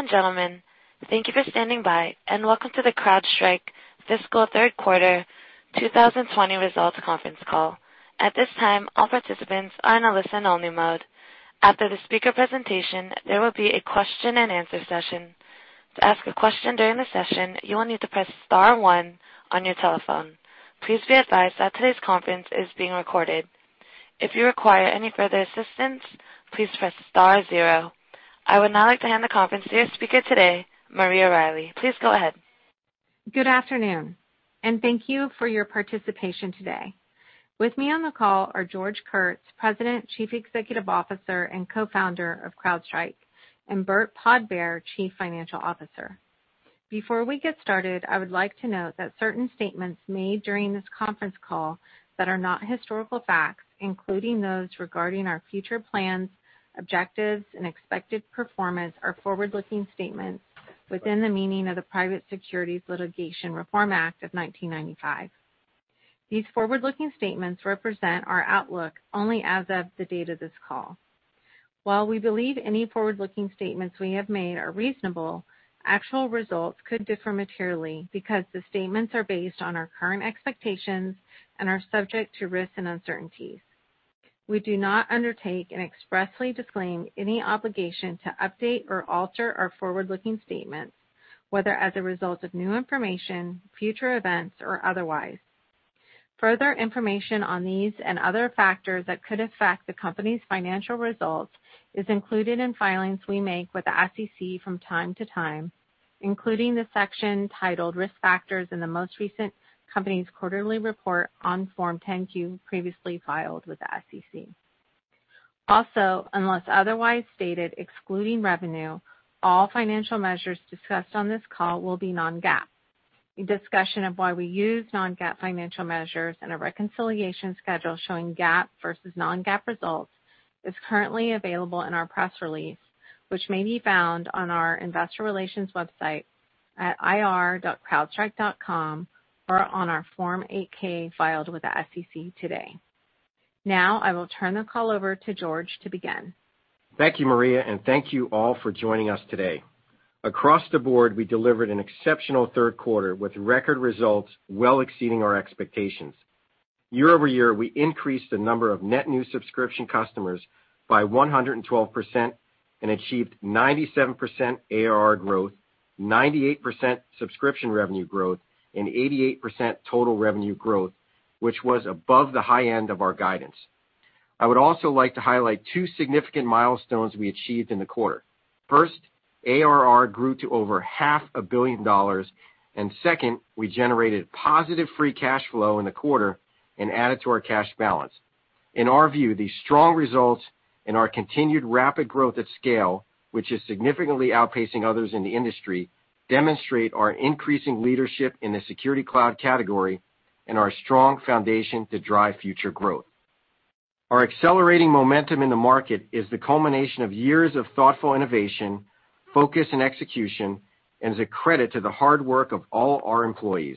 Ladies and gentlemen, thank you for standing by, and welcome to the CrowdStrike Fiscal Third Quarter 2020 Results Conference Call. At this time, all participants are in a listen-only mode. After the speaker presentation, there will be a question and answer session. To ask a question during the session, you will need to press star one on your telephone. Please be advised that today's conference is being recorded. If you require any further assistance, please press star zero. I would now like to hand the conference to your speaker today, Maria Riley. Please go ahead. Good afternoon, and thank you for your participation today. With me on the call are George Kurtz, President, Chief Executive Officer, and Co-founder of CrowdStrike, and Burt Podbere, Chief Financial Officer. Before we get started, I would like to note that certain statements made during this conference call that are not historical facts, including those regarding our future plans, objectives, and expected performance, are forward-looking statements within the meaning of the Private Securities Litigation Reform Act of 1995. These forward-looking statements represent our outlook only as of the date of this call. While we believe any forward-looking statements we have made are reasonable, actual results could differ materially because the statements are based on our current expectations and are subject to risks and uncertainties. We do not undertake and expressly disclaim any obligation to update or alter our forward-looking statements, whether as a result of new information, future events, or otherwise. Further information on these and other factors that could affect the company's financial results is included in filings we make with the SEC from time to time, including the section titled Risk Factors in the most recent company's quarterly report on Form 10-Q previously filed with the SEC. Unless otherwise stated, excluding revenue, all financial measures discussed on this call will be non-GAAP. A discussion of why we use non-GAAP financial measures and a reconciliation schedule showing GAAP versus non-GAAP results is currently available in our press release, which may be found on our investor relations website at ir.crowdstrike.com or on our Form 8-K filed with the SEC today. I will turn the call over to George to begin. Thank you, Maria, and thank you all for joining us today. Across the board, we delivered an exceptional third quarter with record results well exceeding our expectations. Year-over-year, we increased the number of net new subscription customers by 112% and achieved 97% ARR growth, 98% subscription revenue growth, and 88% total revenue growth, which was above the high end of our guidance. I would also like to highlight two significant milestones we achieved in the quarter. First, ARR grew to over half a billion dollars, and second, we generated positive free cash flow in the quarter and added to our cash balance. In our view, these strong results and our continued rapid growth at scale, which is significantly outpacing others in the industry, demonstrate our increasing leadership in the security cloud category and our strong foundation to drive future growth. Our accelerating momentum in the market is the culmination of years of thoughtful innovation, focus, and execution, and is a credit to the hard work of all our employees.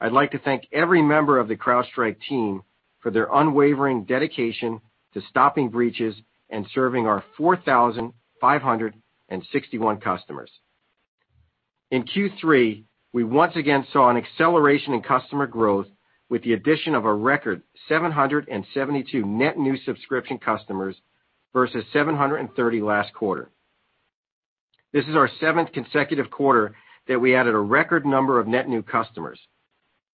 I'd like to thank every member of the CrowdStrike team for their unwavering dedication to stopping breaches and serving our 4,561 customers. In Q3, we once again saw an acceleration in customer growth with the addition of a record 772 net new subscription customers versus 730 last quarter. This is our seventh consecutive quarter that we added a record number of net new customers.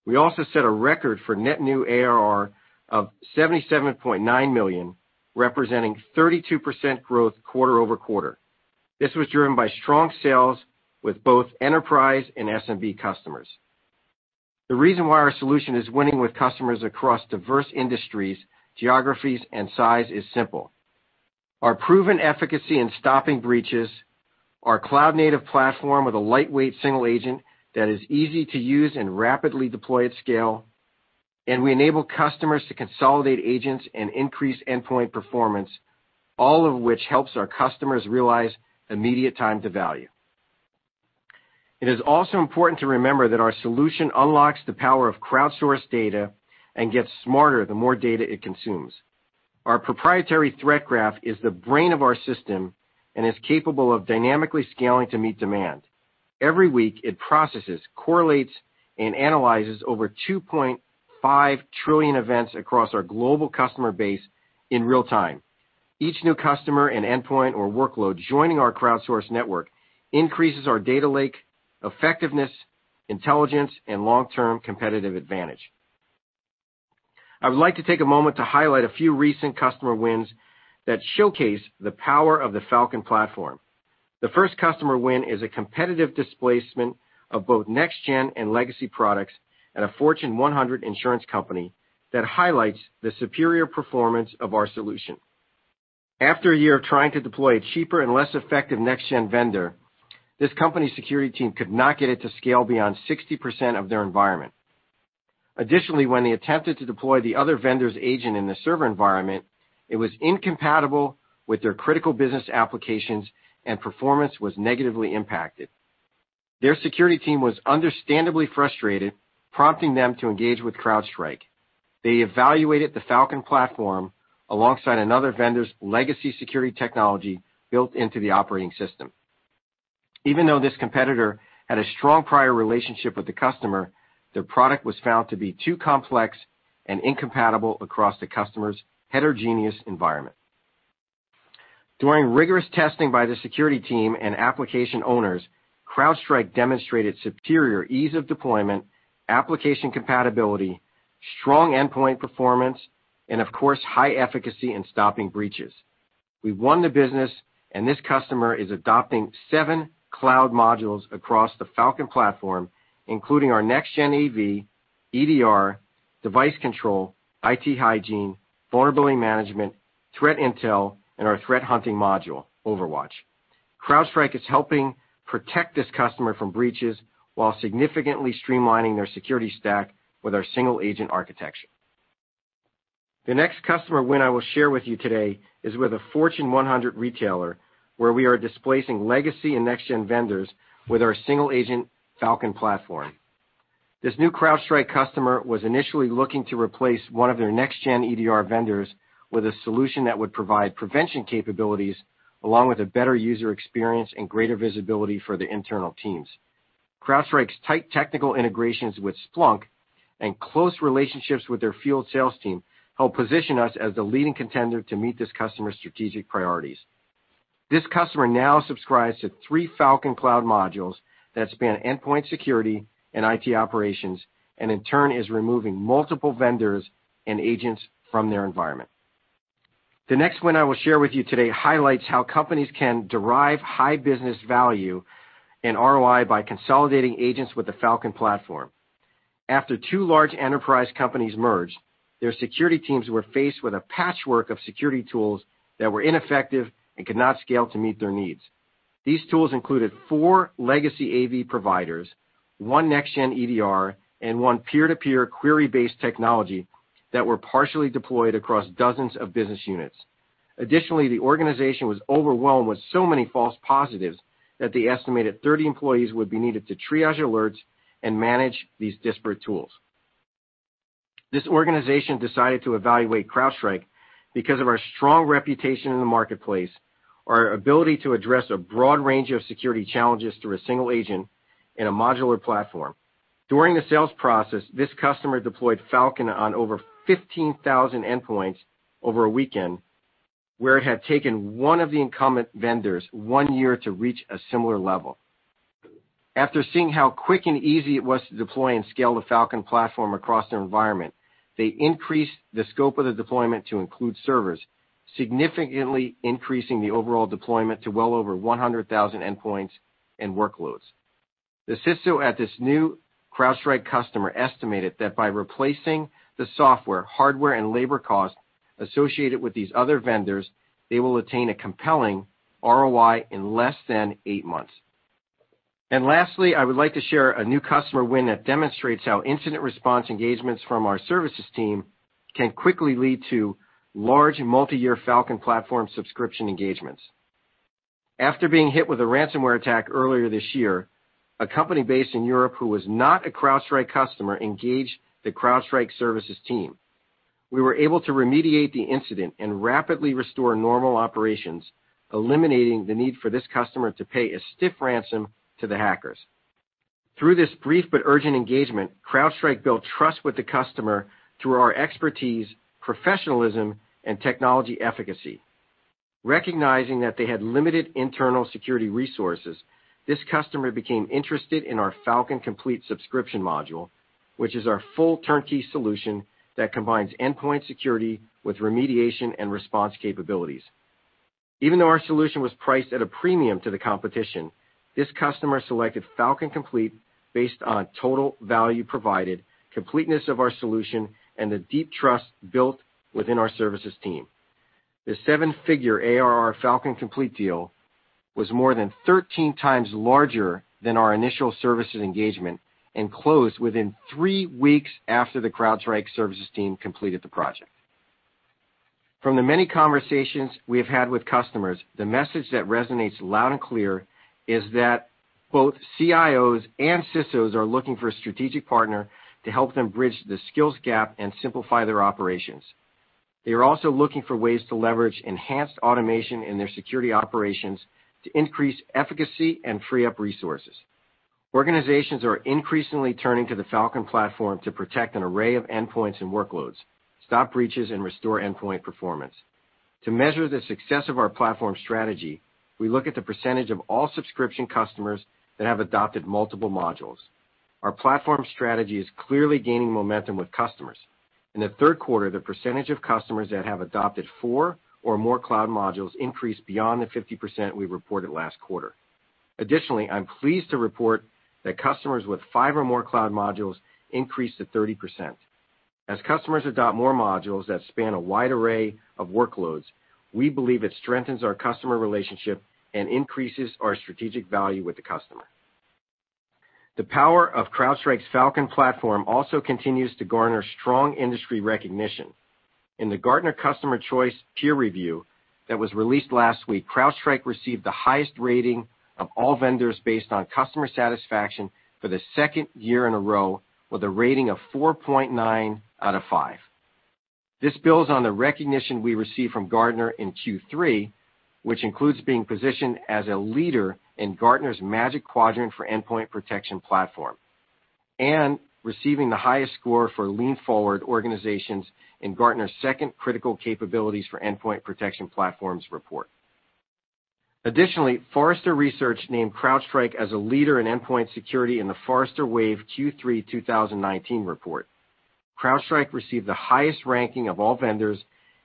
We also set a record for net new ARR of $77.9 million, representing 32% growth quarter-over-quarter. This was driven by strong sales with both enterprise and SMB customers. The reason why our solution is winning with customers across diverse industries, geographies, and size is simple. Our proven efficacy in stopping breaches, our cloud-native platform with a lightweight single agent that is easy to use and rapidly deploy at scale, and we enable customers to consolidate agents and increase endpoint performance, all of which helps our customers realize immediate time to value. It is also important to remember that our solution unlocks the power of crowdsourced data and gets smarter the more data it consumes. Our proprietary Threat Graph is the brain of our system and is capable of dynamically scaling to meet demand. Every week it processes, correlates, and analyzes over 2.5 trillion events across our global customer base in real time. Each new customer and endpoint or workload joining our crowdsourced network increases our data lake effectiveness, intelligence, and long-term competitive advantage. I would like to take a moment to highlight a few recent customer wins that showcase the power of the Falcon platform. The first customer win is a competitive displacement of both next gen and legacy products at a Fortune 100 insurance company that highlights the superior performance of our solution. After a year of trying to deploy a cheaper and less effective next gen vendor, this company's security team could not get it to scale beyond 60% of their environment. When they attempted to deploy the other vendor's agent in the server environment, it was incompatible with their critical business applications and performance was negatively impacted. Their security team was understandably frustrated, prompting them to engage with CrowdStrike. They evaluated the Falcon platform alongside another vendor's legacy security technology built into the operating system. This competitor had a strong prior relationship with the customer, their product was found to be too complex and incompatible across the customer's heterogeneous environment. During rigorous testing by the security team and application owners, CrowdStrike demonstrated superior ease of deployment, application compatibility, strong endpoint performance, and of course, high efficacy in stopping breaches. We won the business, this customer is adopting seven cloud modules across the Falcon platform, including our next-gen AV, EDR, device control, IT hygiene, Vulnerability Management, threat intel, and our threat hunting module, OverWatch. CrowdStrike is helping protect this customer from breaches while significantly streamlining their security stack with our single-agent architecture. The next customer win I will share with you today is with a Fortune 100 retailer, where we are displacing legacy and next-gen vendors with our single-agent Falcon platform. This new CrowdStrike customer was initially looking to replace one of their next-gen EDR vendors with a solution that would provide prevention capabilities along with a better user experience and greater visibility for the internal teams. CrowdStrike's tight technical integrations with Splunk and close relationships with their field sales team helped position us as the leading contender to meet this customer's strategic priorities. This customer now subscribes to three Falcon cloud modules that span endpoint security and IT operations, and in turn is removing multiple vendors and agents from their environment. The next win I will share with you today highlights how companies can derive high business value and ROI by consolidating agents with the Falcon platform. After two large enterprise companies merged, their security teams were faced with a patchwork of security tools that were ineffective and could not scale to meet their needs. These tools included four legacy AV providers, one next-gen EDR, and one peer-to-peer query-based technology that were partially deployed across dozens of business units. Additionally, the organization was overwhelmed with so many false positives that they estimated 30 employees would be needed to triage alerts and manage these disparate tools. This organization decided to evaluate CrowdStrike because of our strong reputation in the marketplace, our ability to address a broad range of security challenges through a single agent in a modular platform. During the sales process, this customer deployed Falcon on over 15,000 endpoints over a weekend where it had taken one of the incumbent vendors one year to reach a similar level. After seeing how quick and easy it was to deploy and scale the Falcon platform across their environment, they increased the scope of the deployment to include servers, significantly increasing the overall deployment to well over 100,000 endpoints and workloads. The CISO at this new CrowdStrike customer estimated that by replacing the software, hardware, and labor costs associated with these other vendors, they will attain a compelling ROI in less than eight months. Lastly, I would like to share a new customer win that demonstrates how incident response engagements from our services team can quickly lead to large multi-year Falcon platform subscription engagements. After being hit with a ransomware attack earlier this year, a company based in Europe who was not a CrowdStrike customer engaged the CrowdStrike Services team. We were able to remediate the incident and rapidly restore normal operations, eliminating the need for this customer to pay a stiff ransom to the hackers. Through this brief but urgent engagement, CrowdStrike built trust with the customer through our expertise, professionalism, and technology efficacy. Recognizing that they had limited internal security resources, this customer became interested in our Falcon Complete subscription module, which is our full turnkey solution that combines endpoint security with remediation and response capabilities. Even though our solution was priced at a premium to the competition, this customer selected Falcon Complete based on total value provided, completeness of our solution, and the deep trust built within our services team. The seven-figure ARR Falcon Complete deal was more than 13 times larger than our initial services engagement and closed within three weeks after the CrowdStrike Services team completed the project. From the many conversations we have had with customers, the message that resonates loud and clear is that both CIOs and CISOs are looking for a strategic partner to help them bridge the skills gap and simplify their operations. They are also looking for ways to leverage enhanced automation in their security operations to increase efficacy and free up resources. Organizations are increasingly turning to the Falcon platform to protect an array of endpoints and workloads, stop breaches, and restore endpoint performance. To measure the success of our platform strategy, we look at the percentage of all subscription customers that have adopted multiple modules. Our platform strategy is clearly gaining momentum with customers. In the third quarter, the percentage of customers that have adopted four or more cloud modules increased beyond the 50% we reported last quarter. Additionally, I'm pleased to report that customers with five or more cloud modules increased to 30%. As customers adopt more modules that span a wide array of workloads, we believe it strengthens our customer relationship and increases our strategic value with the customer. The power of CrowdStrike's Falcon platform also continues to garner strong industry recognition. In the Gartner Customer Choice peer review that was released last week, CrowdStrike received the highest rating of all vendors based on customer satisfaction for the second year in a row, with a rating of 4.9 out of five. This builds on the recognition we received from Gartner in Q3, which includes being positioned as a leader in Gartner's Magic Quadrant for endpoint protection platform and receiving the highest score for lean forward organizations in Gartner's second critical capabilities for endpoint protection platforms report. Additionally, Forrester Research named CrowdStrike as a leader in endpoint security in the Forrester Wave Q3 2019 report. CrowdStrike received the highest ranking of all vendors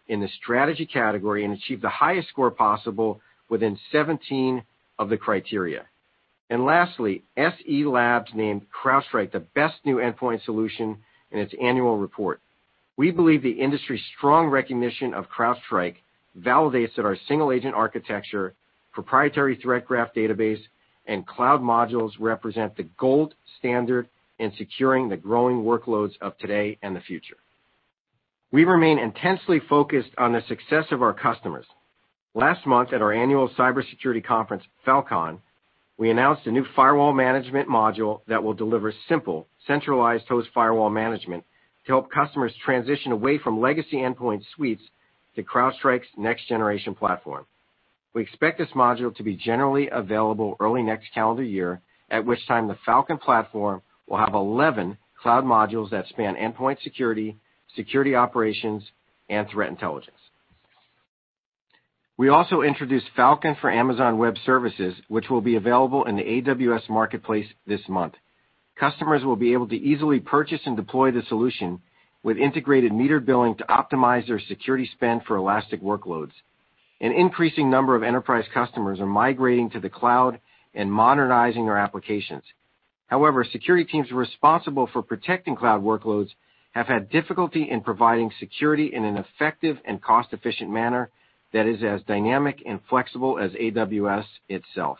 in the strategy category and achieved the highest score possible within 17 of the criteria. Lastly, SE Labs named CrowdStrike the best new endpoint solution in its annual report. We believe the industry's strong recognition of CrowdStrike validates that our single-agent architecture, proprietary Threat Graph database, and cloud modules represent the gold standard in securing the growing workloads of today and the future. We remain intensely focused on the success of our customers. Last month at our annual cybersecurity conference, Falcon, we announced a new firewall management module that will deliver simple, centralized host firewall management to help customers transition away from legacy endpoint suites to CrowdStrike's next generation platform. We expect this module to be generally available early next calendar year, at which time the Falcon platform will have 11 cloud modules that span endpoint security operations, and threat intelligence. We also introduced Falcon for Amazon Web Services, which will be available in the AWS marketplace this month. Customers will be able to easily purchase and deploy the solution with integrated metered billing to optimize their security spend for elastic workloads. An increasing number of enterprise customers are migrating to the cloud and modernizing their applications. Security teams responsible for protecting cloud workloads have had difficulty in providing security in an effective and cost-efficient manner that is as dynamic and flexible as AWS itself.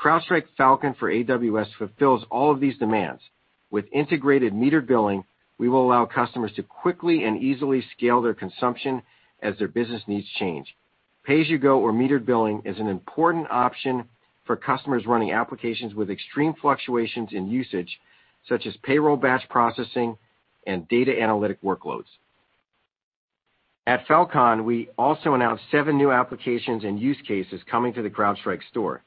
CrowdStrike Falcon for AWS fulfills all of these demands. With integrated metered billing, we will allow customers to quickly and easily scale their consumption as their business needs change. Pay-as-you-go or metered billing is an important option for customers running applications with extreme fluctuations in usage, such as payroll batch processing and data analytic workloads. At Falcon, we also announced seven new applications and use cases coming to the CrowdStrike Store.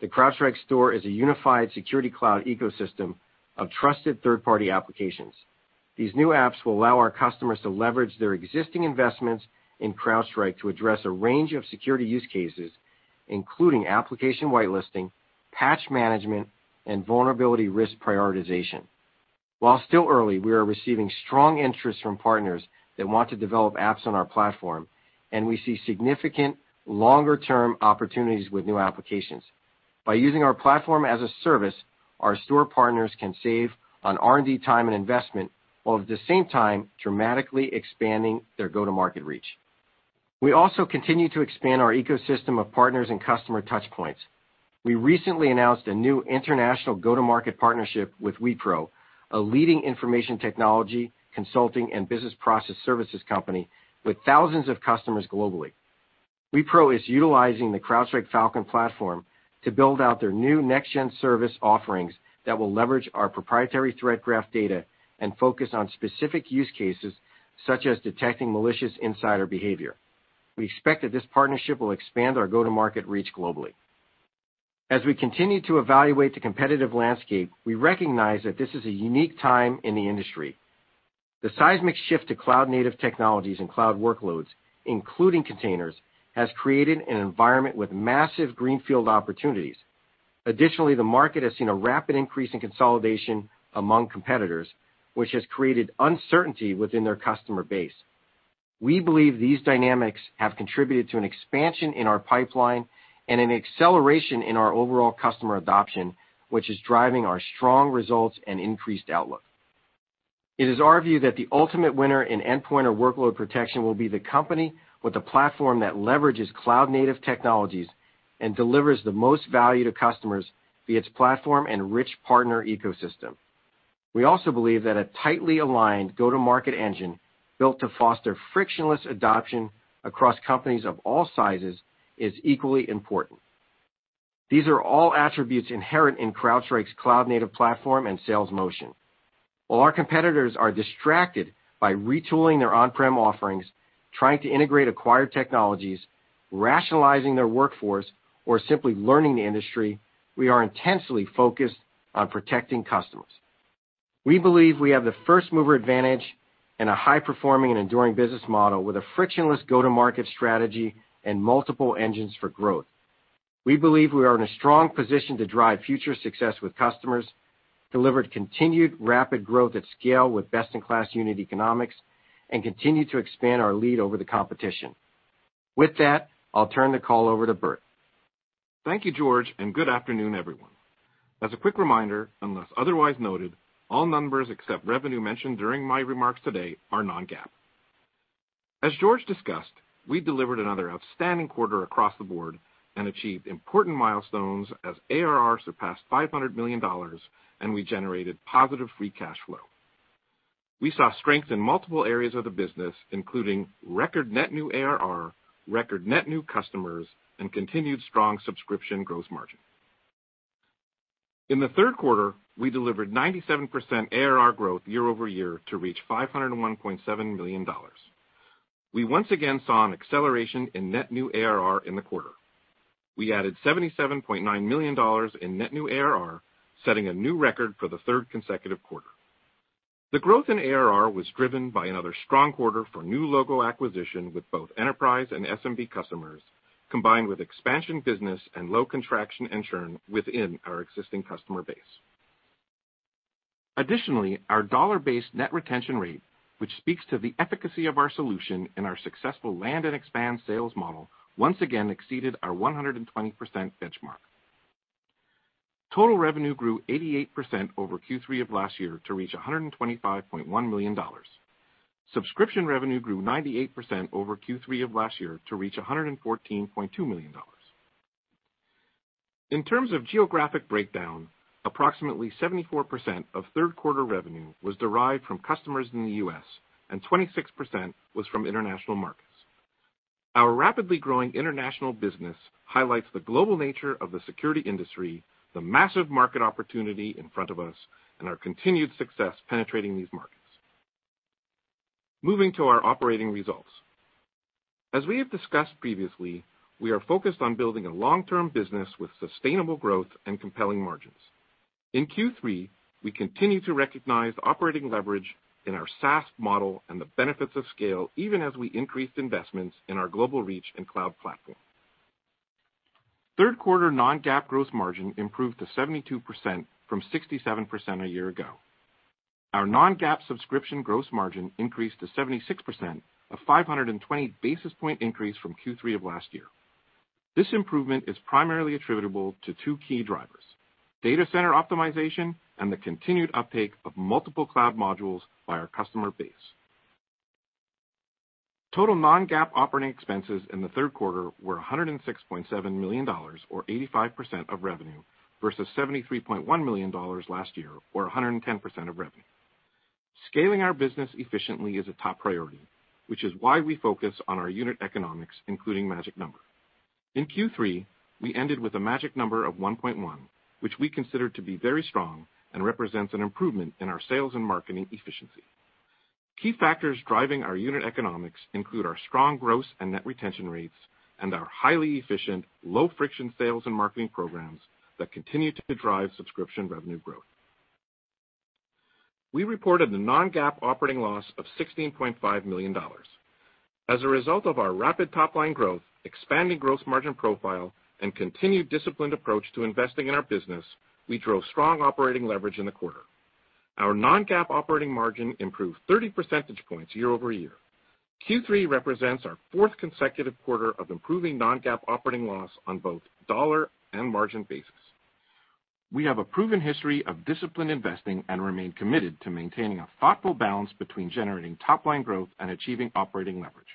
The CrowdStrike Store is a unified security cloud ecosystem of trusted third-party applications. These new apps will allow our customers to leverage their existing investments in CrowdStrike to address a range of security use cases, including application whitelisting, patch management, and vulnerability risk prioritization. While still early, we are receiving strong interest from partners that want to develop apps on our platform, and we see significant longer-term opportunities with new applications. By using our platform as a service, our Store partners can save on R&D time and investment, while at the same time dramatically expanding their go-to-market reach. We also continue to expand our ecosystem of partners and customer touch points. We recently announced a new international go-to-market partnership with Wipro, a leading information technology consulting and business process services company with thousands of customers globally. Wipro is utilizing the CrowdStrike Falcon platform to build out their new next-gen service offerings that will leverage our proprietary Threat Graph data and focus on specific use cases, such as detecting malicious insider behavior. We expect that this partnership will expand our go-to-market reach globally. As we continue to evaluate the competitive landscape, we recognize that this is a unique time in the industry. The seismic shift to cloud-native technologies and cloud workloads, including containers, has created an environment with massive greenfield opportunities. Additionally, the market has seen a rapid increase in consolidation among competitors, which has created uncertainty within their customer base. We believe these dynamics have contributed to an expansion in our pipeline and an acceleration in our overall customer adoption, which is driving our strong results and increased outlook. It is our view that the ultimate winner in endpoint or workload protection will be the company with the platform that leverages cloud-native technologies and delivers the most value to customers via its platform and rich partner ecosystem. We also believe that a tightly aligned go-to-market engine built to foster frictionless adoption across companies of all sizes is equally important. These are all attributes inherent in CrowdStrike's cloud-native platform and sales motion. While our competitors are distracted by retooling their on-prem offerings, trying to integrate acquired technologies, rationalizing their workforce, or simply learning the industry, we are intensely focused on protecting customers. We believe we have the first-mover advantage and a high-performing and enduring business model with a frictionless go-to-market strategy and multiple engines for growth. We believe we are in a strong position to drive future success with customers, deliver continued rapid growth at scale with best-in-class unit economics, and continue to expand our lead over the competition. With that, I'll turn the call over to Burt. Thank you, George. Good afternoon, everyone. As a quick reminder, unless otherwise noted, all numbers except revenue mentioned during my remarks today are non-GAAP. As George discussed, we delivered another outstanding quarter across the board and achieved important milestones as ARR surpassed $500 million and we generated positive free cash flow. We saw strength in multiple areas of the business, including record net new ARR, record net new customers, and continued strong subscription gross margin. In the third quarter, we delivered 97% ARR growth year-over-year to reach $501.7 million. We once again saw an acceleration in net new ARR in the quarter. We added $77.9 million in net new ARR, setting a new record for the third consecutive quarter. The growth in ARR was driven by another strong quarter for new logo acquisition with both enterprise and SMB customers, combined with expansion business and low contraction and churn within our existing customer base. Additionally, our dollar-based net retention rate, which speaks to the efficacy of our solution and our successful land and expand sales model, once again exceeded our 120% benchmark. Total revenue grew 88% over Q3 of last year to reach $125.1 million. Subscription revenue grew 98% over Q3 of last year to reach $114.2 million. In terms of geographic breakdown, approximately 74% of third quarter revenue was derived from customers in the U.S., and 26% was from international markets. Our rapidly growing international business highlights the global nature of the security industry, the massive market opportunity in front of us, and our continued success penetrating these markets. Moving to our operating results. As we have discussed previously, we are focused on building a long-term business with sustainable growth and compelling margins. In Q3, we continued to recognize operating leverage in our SaaS model and the benefits of scale, even as we increased investments in our global reach and cloud platform. Third quarter non-GAAP gross margin improved to 72% from 67% a year ago. Our non-GAAP subscription gross margin increased to 76%, a 520 basis point increase from Q3 of last year. This improvement is primarily attributable to two key drivers, data center optimization and the continued uptake of multiple cloud modules by our customer base. Total non-GAAP operating expenses in the third quarter were $106.7 million, or 85% of revenue, versus $73.1 million last year, or 110% of revenue. Scaling our business efficiently is a top priority, which is why we focus on our unit economics, including magic number. In Q3, we ended with a magic number of 1.1, which we consider to be very strong and represents an improvement in our sales and marketing efficiency. Key factors driving our unit economics include our strong gross and net retention rates and our highly efficient, low-friction sales and marketing programs that continue to drive subscription revenue growth. We reported the non-GAAP operating loss of $16.5 million. As a result of our rapid top-line growth, expanding gross margin profile, and continued disciplined approach to investing in our business, we drove strong operating leverage in the quarter. Our non-GAAP operating margin improved 30 percentage points year-over-year. Q3 represents our fourth consecutive quarter of improving non-GAAP operating loss on both dollar and margin basis. We have a proven history of disciplined investing and remain committed to maintaining a thoughtful balance between generating top-line growth and achieving operating leverage.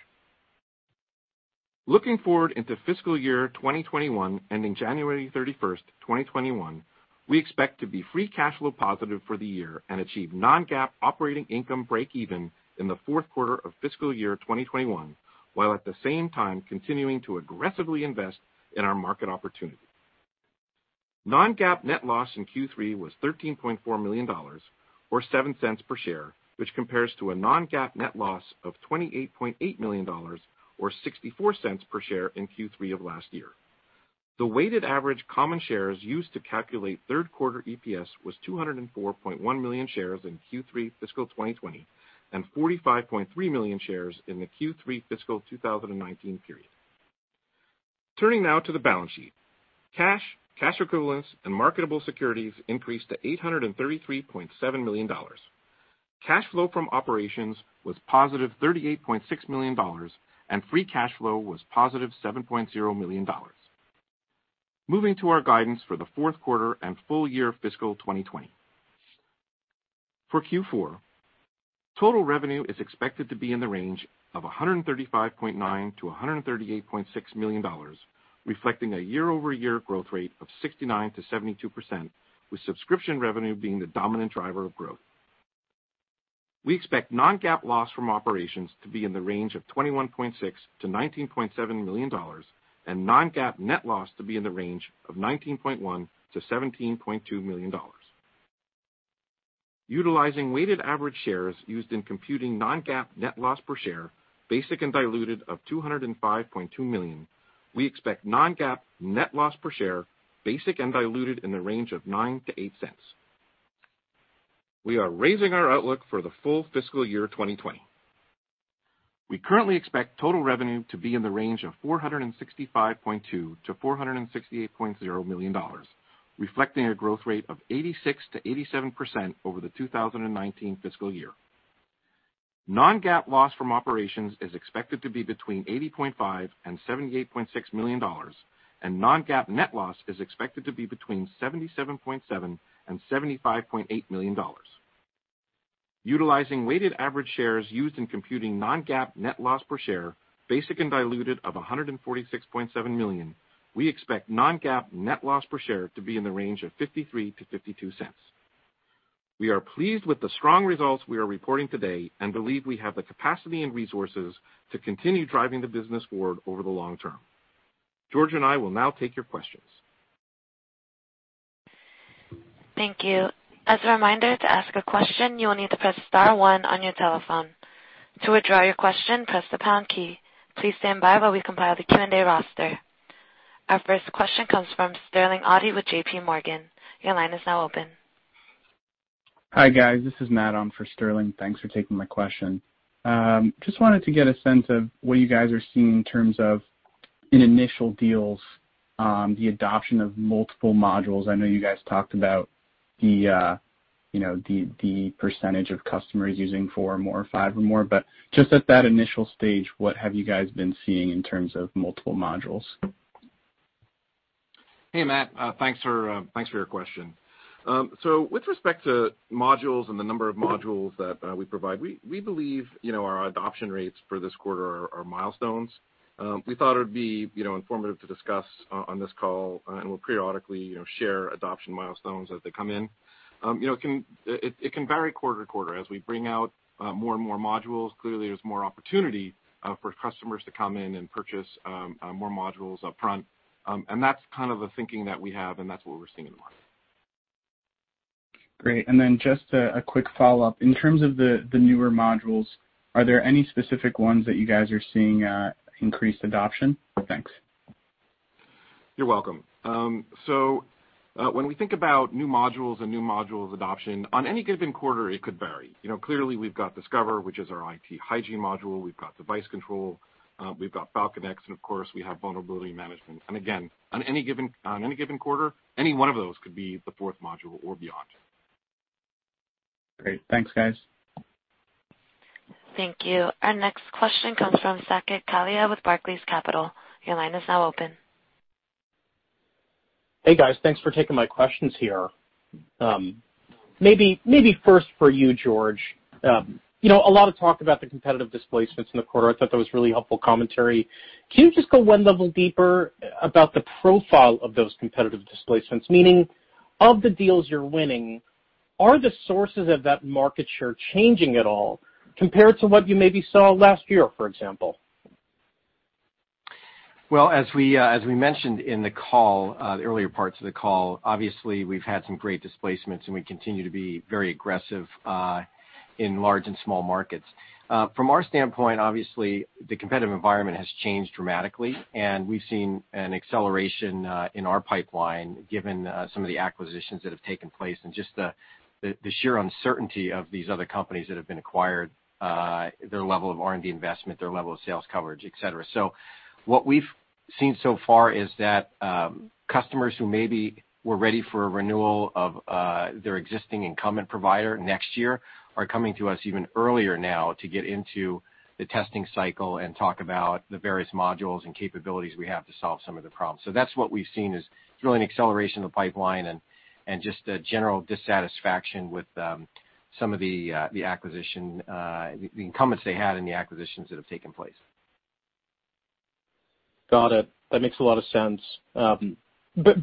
Looking forward into fiscal year 2021, ending January 31st, 2021, we expect to be free cash flow positive for the year and achieve non-GAAP operating income break even in the fourth quarter of fiscal year 2021, while at the same time continuing to aggressively invest in our market opportunity. non-GAAP net loss in Q3 was $13.4 million, or $0.07 per share, which compares to a non-GAAP net loss of $28.8 million, or $0.64 per share in Q3 of last year. The weighted average common shares used to calculate third quarter EPS was 204.1 million shares in Q3 fiscal 2020, and 45.3 million shares in the Q3 fiscal 2019 period. Turning now to the balance sheet. Cash, cash equivalents, and marketable securities increased to $833.7 million. Cash flow from operations was positive $38.6 million, and free cash flow was positive $7.0 million. Moving to our guidance for the fourth quarter and full year fiscal 2020. For Q4, total revenue is expected to be in the range of $135.9 million-$138.6 million, reflecting a year-over-year growth rate of 69%-72%, with subscription revenue being the dominant driver of growth. We expect non-GAAP loss from operations to be in the range of $21.6 million-$19.7 million and non-GAAP net loss to be in the range of $19.1 million-$17.2 million. Utilizing weighted average shares used in computing non-GAAP net loss per share, basic and diluted of 205.2 million, we expect non-GAAP net loss per share basic and diluted in the range of $0.09-$0.08. We are raising our outlook for the full fiscal year 2020. We currently expect total revenue to be in the range of $465.2 million-$468.0 million, reflecting a growth rate of 86%-87% over the 2019 fiscal year. Non-GAAP loss from operations is expected to be between $80.5 and $78.6 million, and non-GAAP net loss is expected to be between $77.7 and $75.8 million. Utilizing weighted average shares used in computing non-GAAP net loss per share, basic and diluted of 146.7 million. We expect non-GAAP net loss per share to be in the range of $0.53-$0.52. We are pleased with the strong results we are reporting today and believe we have the capacity and resources to continue driving the business forward over the long term. George and I will now take your questions. Thank you. As a reminder, to ask a question, you will need to press star one on your telephone. To withdraw your question, press the pound key. Please stand by while we compile the Q&A roster. Our first question comes from Sterling Auty with JPMorgan. Your line is now open. Hi, guys. This is Matt on for Sterling. Thanks for taking my question. Just wanted to get a sense of what you guys are seeing in terms of, in initial deals, the adoption of multiple modules. I know you guys talked about the percentage of customers using four or more, or five or more. Just at that initial stage, what have you guys been seeing in terms of multiple modules? Hey, Matt. Thanks for your question. With respect to modules and the number of modules that we provide, we believe our adoption rates for this quarter are milestones. We thought it would be informative to discuss on this call, and we'll periodically share adoption milestones as they come in. It can vary quarter to quarter. As we bring out more and more modules, clearly, there's more opportunity for customers to come in and purchase more modules upfront. That's the thinking that we have, and that's what we're seeing in the market. Great. Then just a quick follow-up. In terms of the newer modules, are there any specific ones that you guys are seeing increased adoption? Thanks. You're welcome. When we think about new modules and new modules adoption, on any given quarter, it could vary. Clearly, we've got Falcon Discover, which is our IT hygiene module. We've got Falcon Device Control, we've got Falcon X, and of course, we have Vulnerability Management. And again, on any given quarter, any one of those could be the fourth module or beyond. Great. Thanks, guys. Thank you. Our next question comes from Saket Kalia with Barclays Capital. Your line is now open. Hey, guys. Thanks for taking my questions here. Maybe first for you, George. A lot of talk about the competitive displacements in the quarter. I thought that was really helpful commentary. Can you just go one level deeper about the profile of those competitive displacements? Meaning, of the deals you're winning, are the sources of that market share changing at all compared to what you maybe saw last year, for example? Well, as we mentioned in the call, the earlier parts of the call, obviously, we've had some great displacements, and we continue to be very aggressive in large and small markets. From our standpoint, obviously, the competitive environment has changed dramatically, and we've seen an acceleration in our pipeline given some of the acquisitions that have taken place and just the sheer uncertainty of these other companies that have been acquired, their level of R&D investment, their level of sales coverage, et cetera. What we've seen so far is that customers who maybe were ready for a renewal of their existing incumbent provider next year are coming to us even earlier now to get into the testing cycle and talk about the various modules and capabilities we have to solve some of the problems. That's what we've seen, is really an acceleration of the pipeline and just a general dissatisfaction with some of the incumbents they had and the acquisitions that have taken place. Got it. That makes a lot of sense.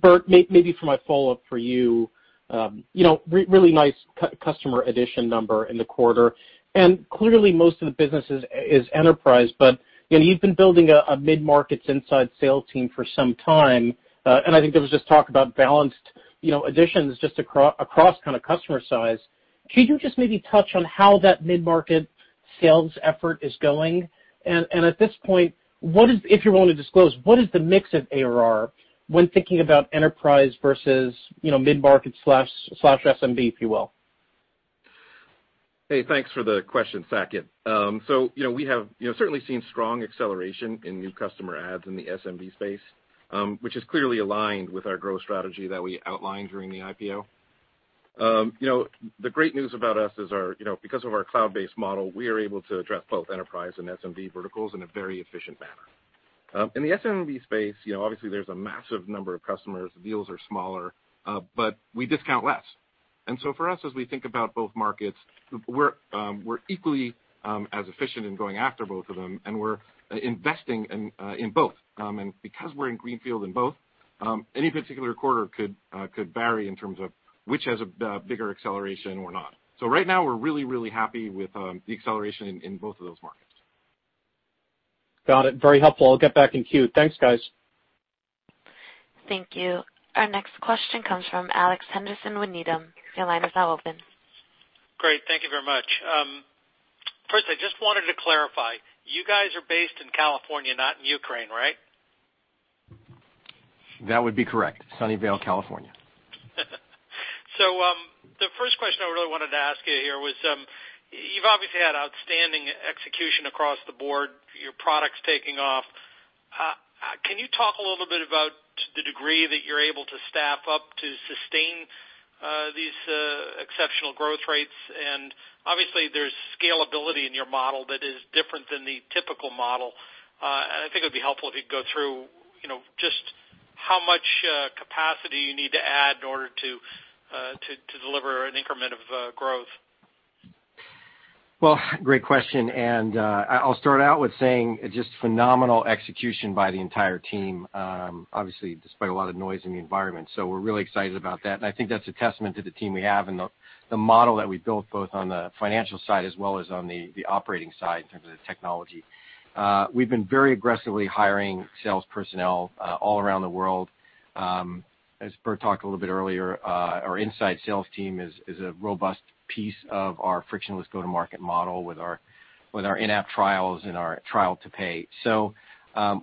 Burt, maybe for my follow-up for you. Really nice customer addition number in the quarter. Clearly, most of the business is enterprise, but you've been building a mid-market inside sales team for some time. I think there was just talk about balanced additions just across customer size. Can you just maybe touch on how that mid-market sales effort is going? At this point, if you're willing to disclose, what is the mix of ARR when thinking about enterprise versus mid-market/SMB, if you will? Hey, thanks for the question, Saket. We have certainly seen strong acceleration in new customer adds in the SMB space, which is clearly aligned with our growth strategy that we outlined during the IPO. The great news about us is because of our cloud-based model, we are able to address both enterprise and SMB verticals in a very efficient manner. In the SMB space, obviously, there's a massive number of customers. The deals are smaller, we discount less. For us, as we think about both markets, we're equally as efficient in going after both of them, and we're investing in both. Because we're in greenfield in both, any particular quarter could vary in terms of which has a bigger acceleration or not. Right now, we're really, really happy with the acceleration in both of those markets. Got it. Very helpful. I'll get back in queue. Thanks, guys. Thank you. Our next question comes from Alex Henderson with Needham. Your line is now open. Great. Thank you very much. First, I just wanted to clarify, you guys are based in California, not in Ukraine, right? That would be correct. Sunnyvale, California. The first question I really wanted to ask you here was, you've obviously had outstanding execution across the board, your product's taking off. Can you talk a little bit about the degree that you're able to staff up to sustain these exceptional growth rates? Obviously, there's scalability in your model that is different than the typical model. I think it would be helpful if you go through just how much capacity you need to add in order to deliver an increment of growth. Well, great question. I'll start out with saying just phenomenal execution by the entire team, obviously despite a lot of noise in the environment. We're really excited about that, and I think that's a testament to the team we have and the model that we've built, both on the financial side as well as on the operating side in terms of the technology. We've been very aggressively hiring sales personnel all around the world. As Burt talked a little bit earlier, our inside sales team is a robust piece of our frictionless go-to-market model with our in-app trials and our trial-to-pay.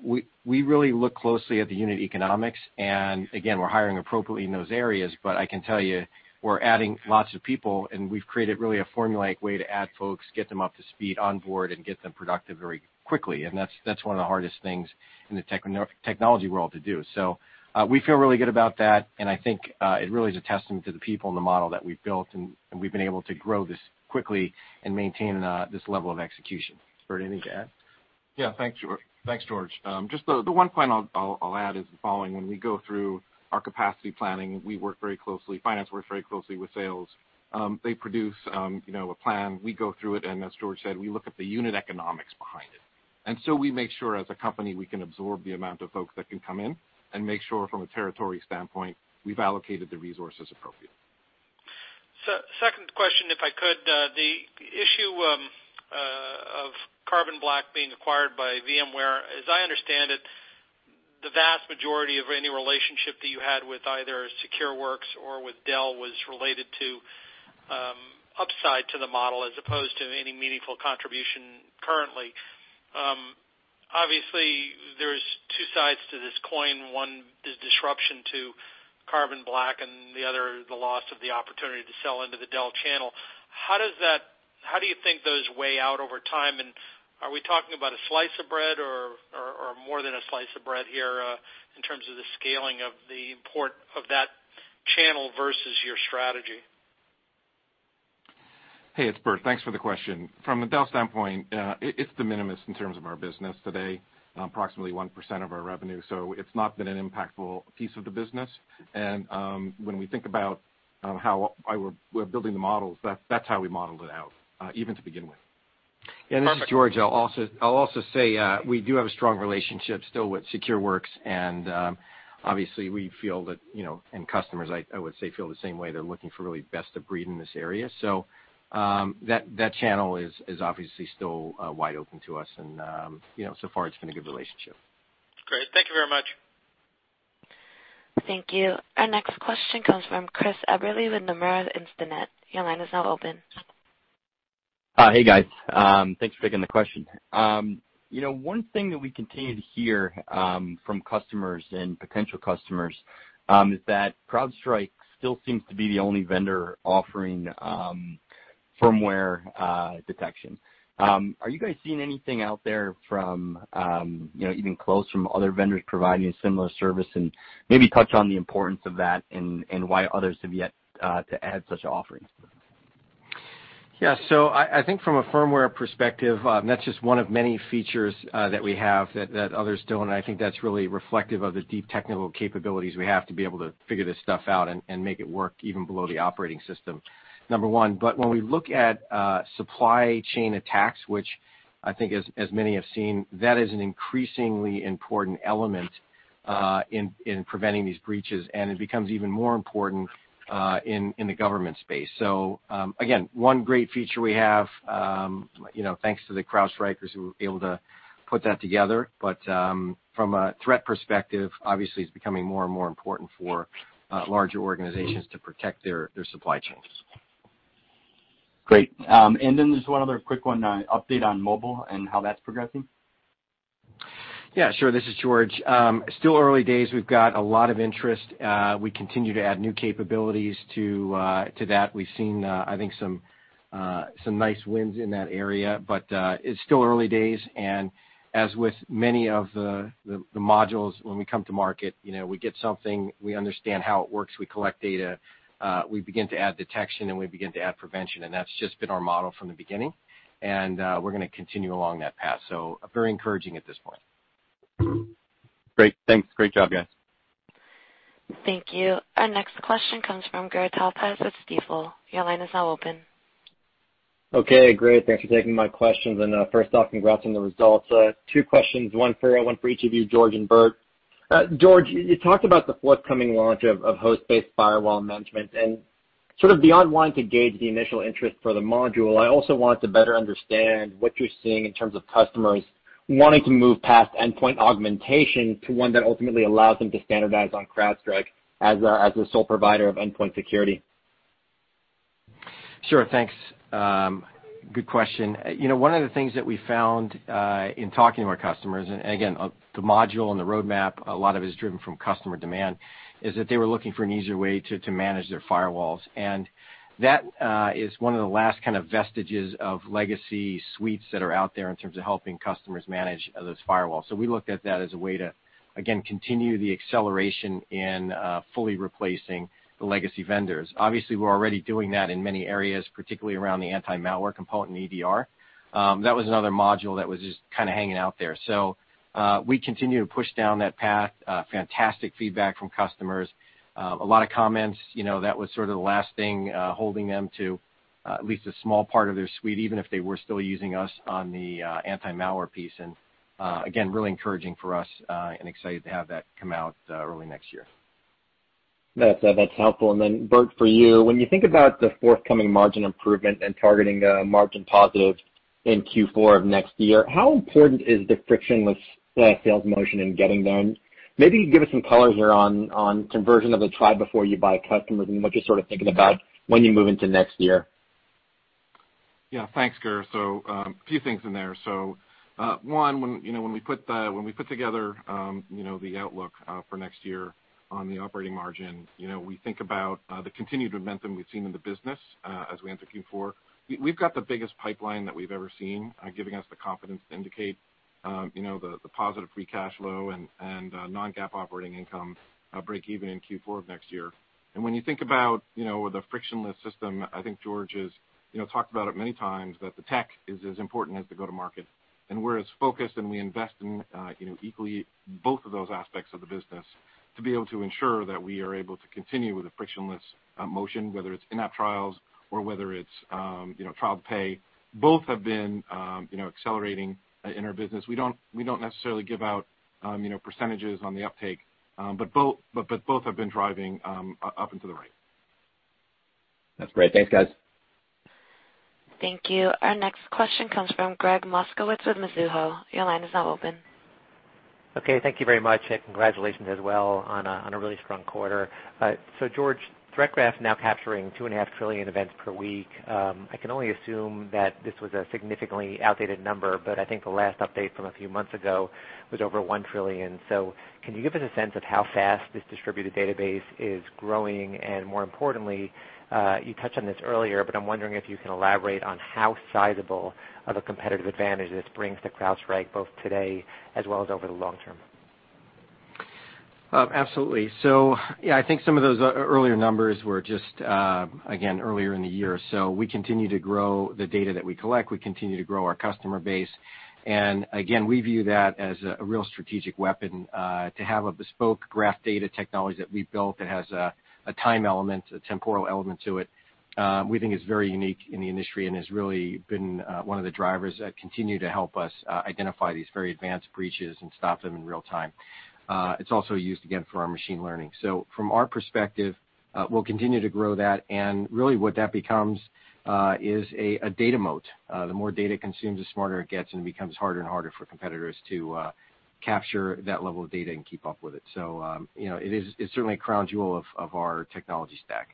We really look closely at the unit economics, and again, we're hiring appropriately in those areas, but I can tell you we're adding lots of people, and we've created really a formulaic way to add folks, get them up to speed on board, and get them productive very quickly. That's one of the hardest things in the technology world to do. We feel really good about that, and I think it really is a testament to the people and the model that we've built, and we've been able to grow this quickly and maintain this level of execution. Burt, anything to add? Yeah. Thanks, George. Just the one point I'll add is the following. When we go through our capacity planning, we work very closely, finance works very closely with sales. They produce a plan. We go through it, and as George said, we look at the unit economics behind it. We make sure as a company, we can absorb the amount of folks that can come in and make sure from a territory standpoint, we've allocated the resources appropriately. Second question, if I could. The issue of Carbon Black being acquired by VMware, as I understand it, the vast majority of any relationship that you had with either Secureworks or with Dell was related to upside to the model as opposed to any meaningful contribution currently. Obviously, there's two sides to this coin. One is disruption to Carbon Black and the other, the loss of the opportunity to sell into the Dell channel. How do you think those weigh out over time, and are we talking about a slice of bread or more than a slice of bread here in terms of the scaling of the import of that channel versus your strategy? Hey, it's Burt. Thanks for the question. From a Dell standpoint, it's de minimis in terms of our business today, approximately 1% of our revenue. It's not been an impactful piece of the business. When we think about how we're building the models, that's how we modeled it out, even to begin with. Yeah, this is George. I'll also say we do have a strong relationship still with Secureworks, and obviously we feel that, and customers I would say feel the same way. They're looking for really best of breed in this area. That channel is obviously still wide open to us and so far it's been a good relationship. Great. Thank you very much. Thank you. Our next question comes from Christopher Eberle with Nomura Instinet. Your line is now open. Hey, guys. Thanks for taking the question. One thing that we continue to hear from customers and potential customers is that CrowdStrike still seems to be the only vendor offering firmware detection. Are you guys seeing anything out there from even close from other vendors providing a similar service? Maybe touch on the importance of that and why others have yet to add such offerings. I think from a firmware perspective, that's just one of many features that we have that others don't. I think that's really reflective of the deep technical capabilities we have to be able to figure this stuff out and make it work even below the operating system, number one. When we look at supply chain attacks, which I think as many have seen, that is an increasingly important element in preventing these breaches, and it becomes even more important in the government space. Again, one great feature we have thanks to the CrowdStrikers who were able to put that together. From a threat perspective, obviously it's becoming more and more important for larger organizations to protect their supply chains. Great. Just one other quick one. Update on mobile and how that's progressing? Yeah, sure. This is George. Still early days. We've got a lot of interest. We continue to add new capabilities to that. We've seen I think some nice wins in that area, but it's still early days, and as with many of the modules when we come to market, we get something, we understand how it works, we collect data, we begin to add detection, and we begin to add prevention. That's just been our model from the beginning. We're going to continue along that path, so very encouraging at this point. Great. Thanks. Great job, guys. Thank you. Our next question comes from Gur Talpaz with Stifel. Your line is now open. Okay, great. Thanks for taking my questions. First off, congrats on the results. Two questions, one for each of you, George and Burt. George, you talked about the forthcoming launch of host-based firewall management and sort of beyond wanting to gauge the initial interest for the module, I also wanted to better understand what you're seeing in terms of customers wanting to move past endpoint augmentation to one that ultimately allows them to standardize on CrowdStrike as the sole provider of endpoint security. Sure. Thanks. Good question. One of the things that we found in talking to our customers, again, the module and the roadmap, a lot of it is driven from customer demand, is that they were looking for an easier way to manage their firewalls. That is one of the last kind of vestiges of legacy suites that are out there in terms of helping customers manage those firewalls. We looked at that as a way to, again, continue the acceleration in fully replacing the legacy vendors. Obviously, we're already doing that in many areas, particularly around the anti-malware component and EDR. That was another module that was just kind of hanging out there. We continue to push down that path. Fantastic feedback from customers. A lot of comments, that was sort of the last thing holding them to at least a small part of their suite, even if they were still using us on the anti-malware piece. Again, really encouraging for us, and excited to have that come out early next year. That's helpful. Burt, for you, when you think about the forthcoming margin improvement and targeting the margin positive in Q4 of next year, how important is the frictionless sales motion in getting there? Maybe give us some color here on conversion of the try before you buy customers and what you're sort of thinking about when you move into next year. Yeah. Thanks, Gur. A few things in there. One, when we put together the outlook for next year on the operating margin, we think about the continued momentum we've seen in the business as we enter Q4. We've got the biggest pipeline that we've ever seen, giving us the confidence to indicate the positive free cash flow and non-GAAP operating income breakeven in Q4 of next year. When you think about the frictionless system, I think George has talked about it many times, that the tech is as important as the go-to-market. We're as focused, and we invest in equally both of those aspects of the business to be able to ensure that we are able to continue with a frictionless motion, whether it's in-app trials or whether it's trial pay. Both have been accelerating in our business. We don't necessarily give out percentages on the uptake, but both have been driving up and to the right. That's great. Thanks, guys. Thank you. Our next question comes from Gregg Moskowitz with Mizuho. Your line is now open. Okay, thank you very much. Congratulations as well on a really strong quarter. George, Threat Graph now capturing 2.5 trillion events per week. I can only assume that this was a significantly outdated number. I think the last update from a few months ago was over 1 trillion. Can you give us a sense of how fast this distributed database is growing? More importantly, you touched on this earlier. I'm wondering if you can elaborate on how sizable of a competitive advantage this brings to CrowdStrike, both today as well as over the long term. Absolutely. Yeah, I think some of those earlier numbers were just, again, earlier in the year. We continue to grow the data that we collect. We continue to grow our customer base. Again, we view that as a real strategic weapon, to have a bespoke graph data technology that we've built that has a time element, a temporal element to it, we think is very unique in the industry and has really been one of the drivers that continue to help us identify these very advanced breaches and stop them in real time. It's also used, again, for our machine learning. From our perspective, we'll continue to grow that, and really what that becomes is a data moat. The more data it consumes, the smarter it gets, and it becomes harder and harder for competitors to capture that level of data and keep up with it. It's certainly a crown jewel of our technology stack.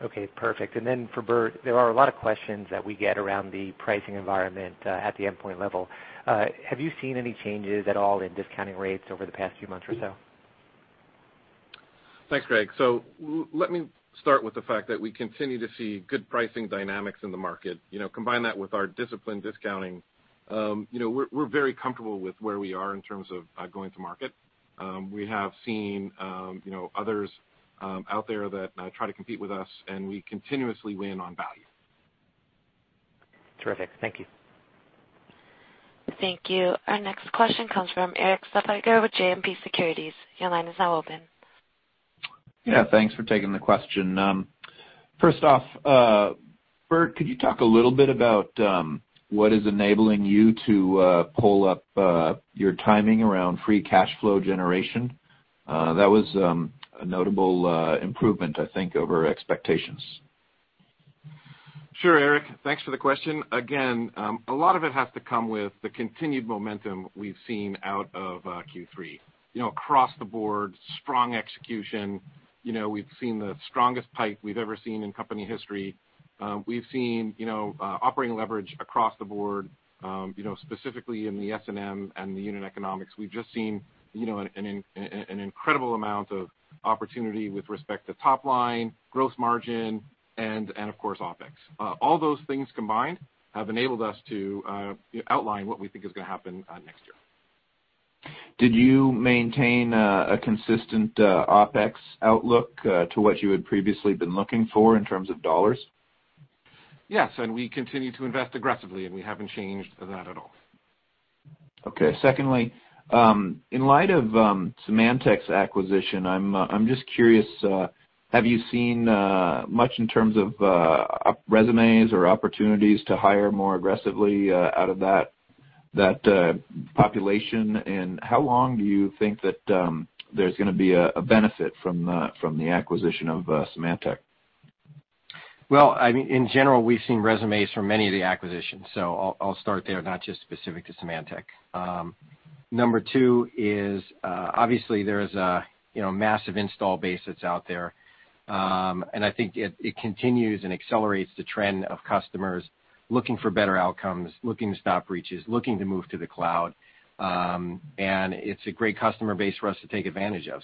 Okay, perfect. For Burt, there are a lot of questions that we get around the pricing environment at the endpoint level. Have you seen any changes at all in discounting rates over the past few months or so? Thanks, Greg. Let me start with the fact that we continue to see good pricing dynamics in the market. Combine that with our disciplined discounting. We're very comfortable with where we are in terms of going to market. We have seen others out there that try to compete with us, and we continuously win on value. Terrific. Thank you. Thank you. Our next question comes from Erik Zutaut with JMP Securities. Your line is now open. Yeah. Thanks for taking the question. First off, Burt, could you talk a little bit about what is enabling you to pull up your timing around free cash flow generation? That was a notable improvement, I think, over expectations. Sure, Erik. Thanks for the question. A lot of it has to come with the continued momentum we've seen out of Q3. Across the board, strong execution. We've seen the strongest pipe we've ever seen in company history. We've seen operating leverage across the board, specifically in the S&M and the unit economics. We've just seen an incredible amount of opportunity with respect to top line, gross margin and, of course, OpEx. All those things combined have enabled us to outline what we think is going to happen next year. Did you maintain a consistent OpEx outlook to what you had previously been looking for in terms of dollars? Yes, we continue to invest aggressively, and we haven't changed that at all. Okay. Secondly, in light of Symantec's acquisition, I'm just curious, have you seen much in terms of resumes or opportunities to hire more aggressively out of that population? How long do you think that there's going to be a benefit from the acquisition of Symantec? Well, in general, we've seen resumes for many of the acquisitions. I'll start there, not just specific to Symantec. Number 2 is, obviously there is a massive install base that's out there. I think it continues and accelerates the trend of customers looking for better outcomes, looking to stop breaches, looking to move to the cloud. It's a great customer base for us to take advantage of.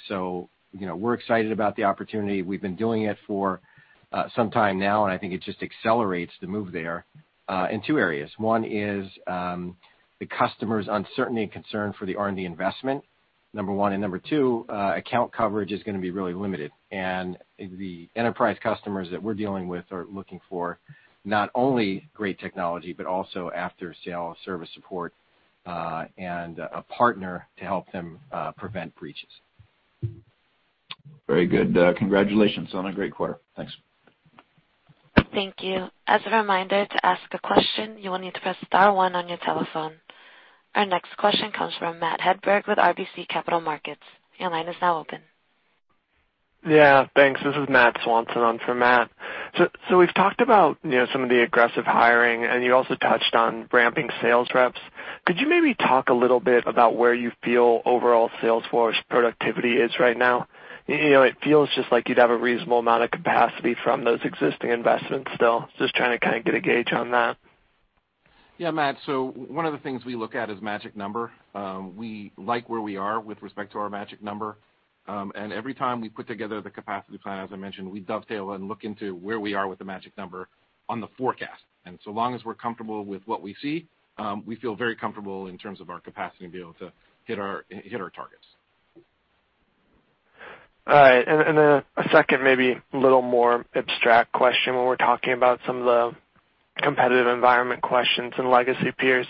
We're excited about the opportunity. We've been doing it for some time now, and I think it just accelerates the move there in two areas. One is the customer's uncertainty and concern for the R&D investment. Number 1. Number 2, account coverage is going to be really limited. The enterprise customers that we're dealing with are looking for not only great technology, but also after-sale service support and a partner to help them prevent breaches. Very good. Congratulations on a great quarter. Thanks. Thank you. As a reminder, to ask a question, you will need to press star one on your telephone. Our next question comes from Matt Hedberg with RBC Capital Markets. Your line is now open. Yeah, thanks. This is Matt Swanson on for Matt. We've talked about some of the aggressive hiring, and you also touched on ramping sales reps. Could you maybe talk a little bit about where you feel overall sales force productivity is right now? It feels just like you'd have a reasonable amount of capacity from those existing investments still. Just trying to get a gauge on that. Yeah, Matt. One of the things we look at is magic number. We like where we are with respect to our magic number. Every time we put together the capacity plan, as I mentioned, we dovetail and look into where we are with the magic number on the forecast. So long as we're comfortable with what we see, we feel very comfortable in terms of our capacity to be able to hit our targets. All right. A second, maybe a little more abstract question when we're talking about some of the competitive environment questions and legacy peers.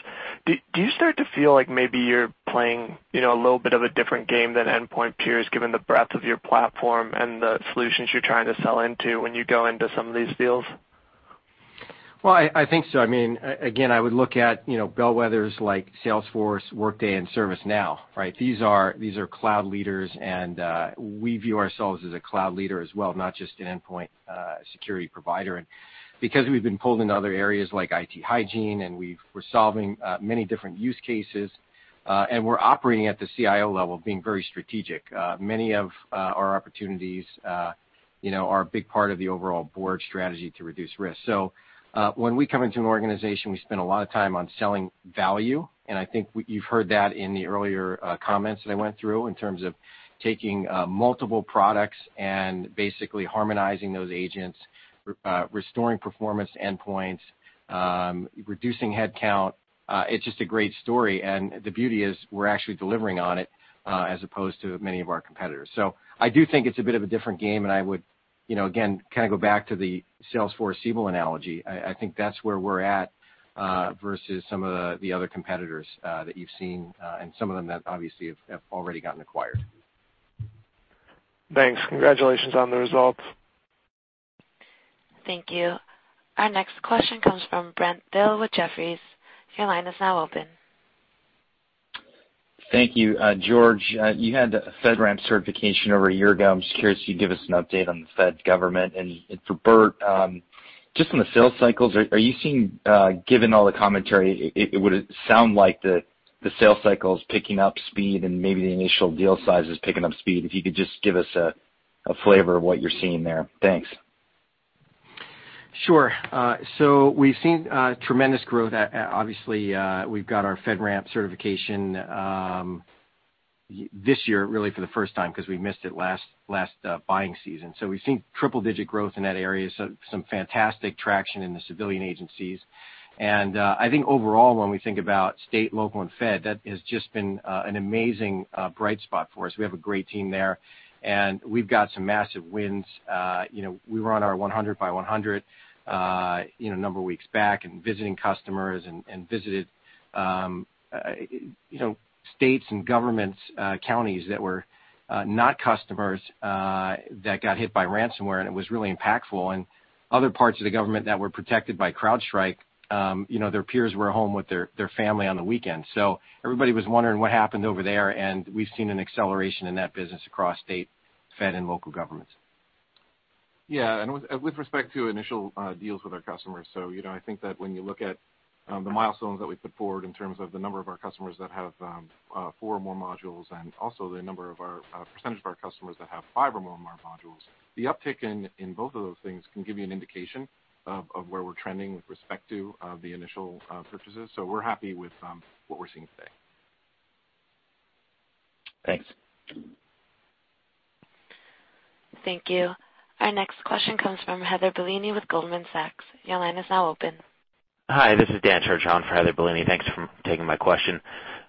Do you start to feel like maybe you're playing a little bit of a different game than endpoint peers, given the breadth of your platform and the solutions you're trying to sell into when you go into some of these deals? Well, I think so. Again, I would look at bellwethers like Salesforce, Workday, and ServiceNow, right? These are cloud leaders, and we view ourselves as a cloud leader as well, not just an endpoint security provider. We've been pulled into other areas like IT hygiene, and we're solving many different use cases, and we're operating at the CIO level, being very strategic. Many of our opportunities are a big part of the overall board strategy to reduce risk. When we come into an organization, we spend a lot of time on selling value, and I think you've heard that in the earlier comments that I went through in terms of taking multiple products and basically harmonizing those agents, restoring performance endpoints, reducing headcount. It's just a great story, and the beauty is we're actually delivering on it as opposed to many of our competitors. I do think it's a bit of a different game, and I would, again, go back to the Salesforce Siebel analogy. I think that's where we're at versus some of the other competitors that you've seen and some of them that obviously have already gotten acquired. Thanks. Congratulations on the results. Thank you. Our next question comes from Brent Thill with Jefferies. Your line is now open. Thank you. George, you had a FedRAMP certification over a year ago. I'm just curious if you'd give us an update on the Fed government. For Burt, just on the sales cycles, are you seeing, given all the commentary, it would sound like the sales cycle is picking up speed and maybe the initial deal size is picking up speed. If you could just give us a flavor of what you're seeing there. Thanks. Sure. We've seen tremendous growth. Obviously, we've got our FedRAMP certification this year, really for the first time, because we missed it last buying season. We've seen triple-digit growth in that area. Some fantastic traction in the civilian agencies. I think overall, when we think about state, local, and fed, that has just been an amazing bright spot for us. We have a great team there, and we've got some massive wins. We were on our 100 by 100 a number of weeks back and visiting customers and visited states and governments, counties that were not customers that got hit by ransomware, and it was really impactful. Other parts of the government that were protected by CrowdStrike, their peers were home with their family on the weekend. Everybody was wondering what happened over there, and we've seen an acceleration in that business across state, fed, and local governments. Yeah. With respect to initial deals with our customers, I think that when you look at the milestones that we put forward in terms of the number of our customers that have four or more modules and also the percentage of our customers that have five or more modules, the uptick in both of those things can give you an indication of where we're trending with respect to the initial purchases. We're happy with what we're seeing today. Thanks. Thank you. Our next question comes from Heather Bellini with Goldman Sachs. Your line is now open. Hi, this is Dan Turgeon for Heather Bellini. Thanks for taking my question.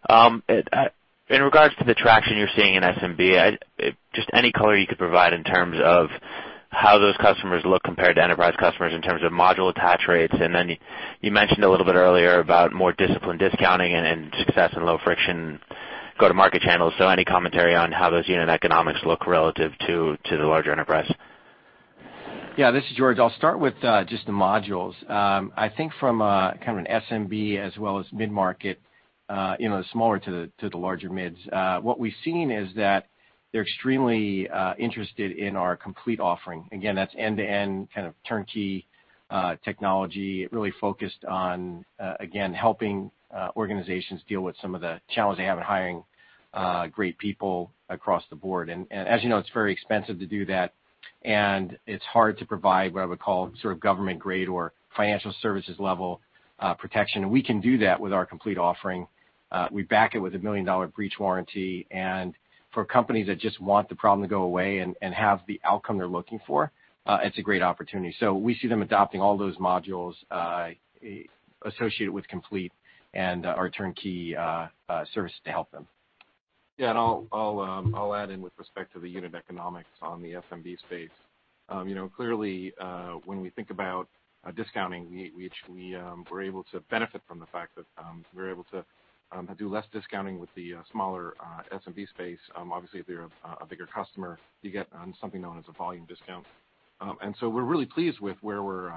In regards to the traction you're seeing in SMB, just any color you could provide in terms of how those customers look compared to enterprise customers in terms of module attach rates. You mentioned a little bit earlier about more disciplined discounting and success in low friction go-to-market channels. Any commentary on how those unit economics look relative to the larger enterprise? Yeah. This is George. I'll start with just the modules. I think from an SMB as well as mid-market, smaller to the larger mids, what we've seen is that they're extremely interested in our Complete offering. Again, that's end-to-end turnkey technology. It really focused on, again, helping organizations deal with some of the challenges they have in hiring great people across the board. As you know, it's very expensive to do that, and it's hard to provide what I would call government-grade or financial services level protection. We can do that with our Complete offering. We back it with a million-dollar breach warranty. For companies that just want the problem to go away and have the outcome they're looking for, it's a great opportunity. We see them adopting all those modules associated with Complete and our turnkey service to help them. I'll add in with respect to the unit economics on the SMB space. Clearly, when we think about discounting, we're able to benefit from the fact that we're able to do less discounting with the smaller SMB space. Obviously, if you're a bigger customer, you get something known as a volume discount. We're really pleased with where we're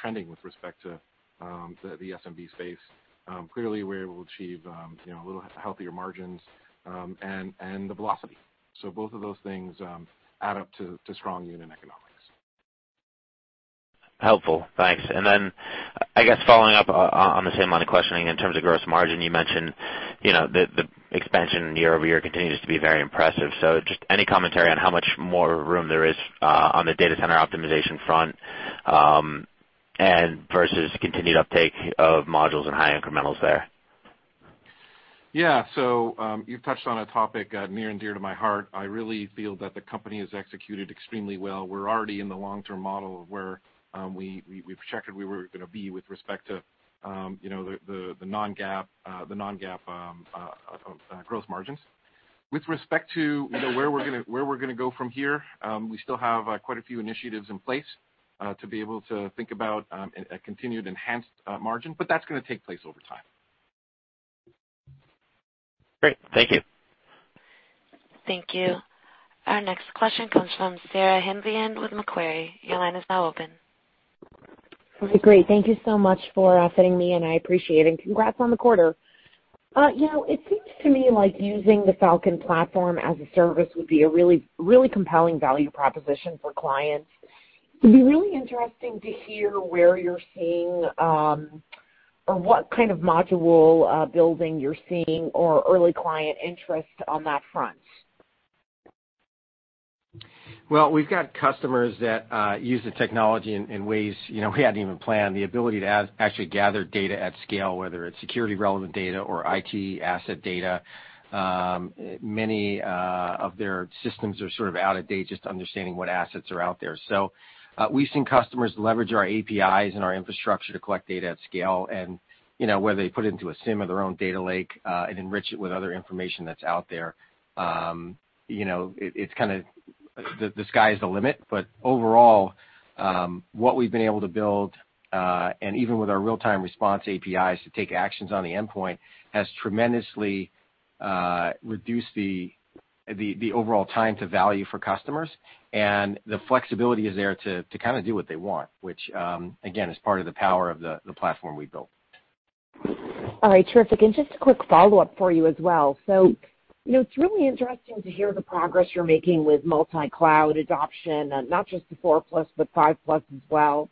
trending with respect to the SMB space. Clearly, we're able to achieve a little healthier margins and the velocity. Both of those things add up to strong unit economics. Helpful, thanks. Then, I guess following up on the same line of questioning in terms of gross margin, you mentioned the expansion year-over-year continues to be very impressive. Just any commentary on how much more room there is on the data center optimization front and versus continued uptake of modules and high incrementals there? Yeah. You've touched on a topic near and dear to my heart. I really feel that the company has executed extremely well. We're already in the long-term model of where we've checked where we were going to be with respect to the non-GAAP growth margins. With respect to where we're going to go from here, we still have quite a few initiatives in place to be able to think about a continued enhanced margin, but that's going to take place over time. Great. Thank you. Thank you. Our next question comes from Sarah Hindlian with Macquarie. Your line is now open. Okay, great. Thank you so much for fitting me in. I appreciate it, and congrats on the quarter. It seems to me like using the Falcon platform as a service would be a really compelling value proposition for clients. It'd be really interesting to hear where you're seeing, or what kind of module building you're seeing, or early client interest on that front. We've got customers that use the technology in ways we hadn't even planned. The ability to actually gather data at scale, whether it's security-relevant data or IT asset data. Many of their systems are sort of out of date, just understanding what assets are out there. We've seen customers leverage our APIs and our infrastructure to collect data at scale and whether they put it into a SIEM or their own data lake and enrich it with other information that's out there. The sky is the limit, but overall, what we've been able to build, and even with our real-time response APIs to take actions on the endpoint, has tremendously reduced the overall time to value for customers. The flexibility is there to do what they want, which, again, is part of the power of the platform we've built. All right, terrific. Just a quick follow-up for you as well. It's really interesting to hear the progress you're making with multi-cloud adoption, not just the four-plus, but five-plus as well.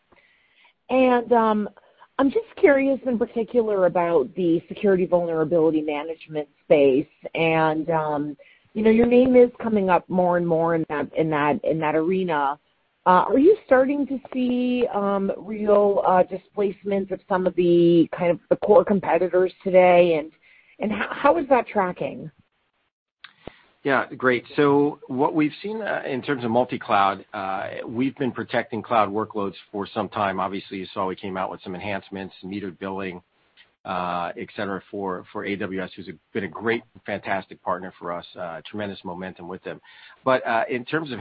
I'm just curious in particular about the security Vulnerability Management space. Your name is coming up more and more in that arena. Are you starting to see real displacements of some of the core competitors today? How is that tracking? Great. What we've seen in terms of multi-cloud, we've been protecting cloud workloads for some time. Obviously, you saw we came out with some enhancements, metered billing, et cetera, for AWS, who's been a great, fantastic partner for us. Tremendous momentum with them. But in terms of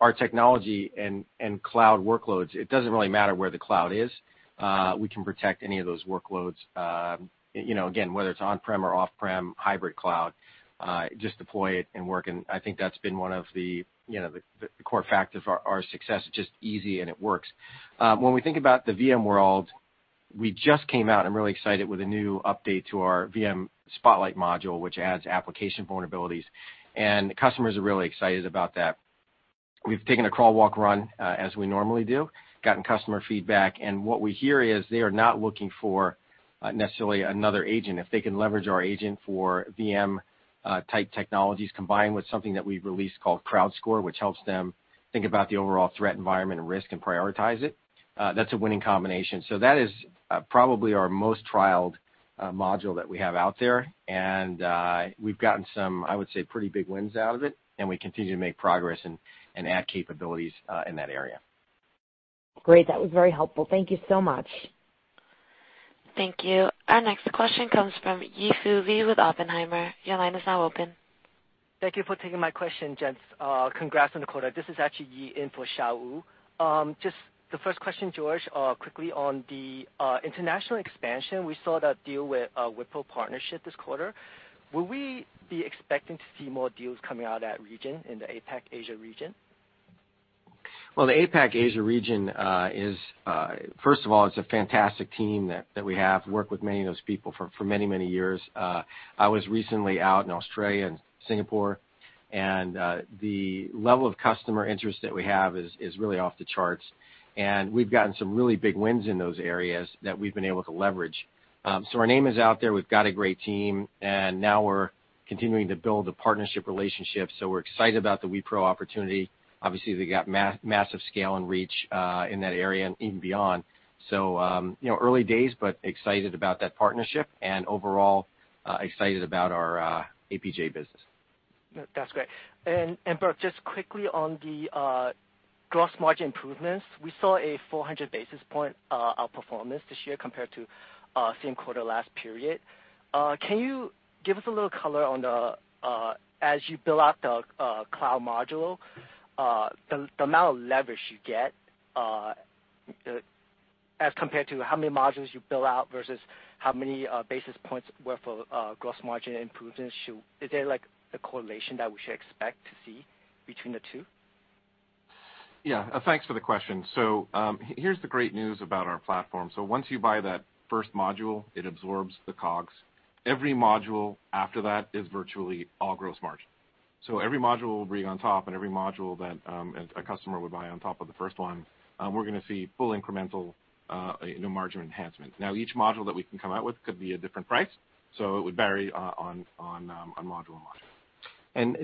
our technology and cloud workloads, it doesn't really matter where the cloud is. We can protect any of those workloads. Again, whether it's on-prem or off-prem, hybrid cloud, just deploy it and work. And I think that's been one of the core factors of our success. It's just easy and it works. When we think about the VM world, we just came out, I'm really excited, with a new update to our VM spotlight module, which adds application vulnerabilities, and the customers are really excited about that. We've taken a crawl, walk, run, as we normally do, gotten customer feedback, and what we hear is they are not looking for necessarily another agent. If they can leverage our agent for VM-type technologies combined with something that we've released called CrowdScore, which helps them think about the overall threat environment and risk and prioritize it, that's a winning combination. That is probably our most trialed module that we have out there. We've gotten some, I would say, pretty big wins out of it, and we continue to make progress and add capabilities in that area. Great. That was very helpful. Thank you so much. Thank you. Our next question comes from Yi Fu Lee with Oppenheimer. Your line is now open. Thank you for taking my question, gents. Congrats on the quarter. This is actually Yi in for Xiao Wu. The first question, George, quickly on the international expansion. We saw that deal with Wipro partnership this quarter. Will we be expecting to see more deals coming out of that region, in the APAC Asia region? Well, the APAC Asia region is, first of all, it's a fantastic team that we have. Worked with many of those people for many, many years. I was recently out in Australia and Singapore, and the level of customer interest that we have is really off the charts. We've gotten some really big wins in those areas that we've been able to leverage. Our name is out there. We've got a great team, and now we're continuing to build the partnership relationship. We're excited about the Wipro opportunity. Obviously, they got massive scale and reach in that area and even beyond. Early days, but excited about that partnership and overall, excited about our APJ business. That's great. Burt, just quickly on the gross margin improvements, we saw a 400 basis points outperformance this year compared to same quarter last period. Can you give us a little color on the, as you build out the cloud module, the amount of leverage you get, as compared to how many modules you build out versus how many basis points worth of gross margin improvements? Is there a correlation that we should expect to see between the two? Yeah. Thanks for the question. Here's the great news about our platform. Once you buy that first module, it absorbs the COGS. Every module after that is virtually all gross margin. Every module will be on top, and every module that a customer would buy on top of the first one, we're going to see full incremental margin enhancement. Now, each module that we can come out with could be a different price, so it would vary on module.